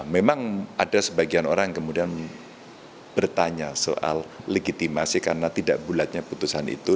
memang ada sebagian orang yang kemudian bertanya soal legitimasi karena tidak bulatnya putusan itu